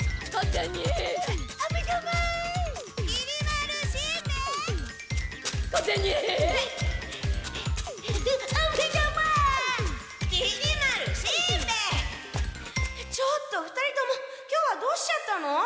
ちょっと２人とも今日はどうしちゃったの？